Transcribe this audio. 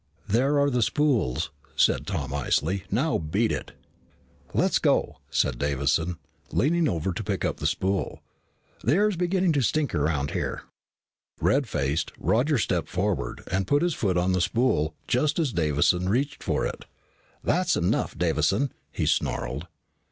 "There are the spools," said Tom icily. "Now beat it." "Let's go," said Davison, leaning over to pick up the spool. "The air is beginning to stink around here." Red faced, Roger stepped forward and put his foot on the spool just as Davison reached for it. "That's enough, Davison," he snarled.